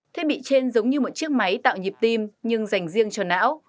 thiết bị trên giống như một chiếc máy tạo nhịp tim nhưng dành riêng cho não